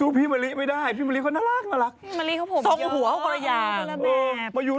อ่ะทำอะไรก็ไม่รู้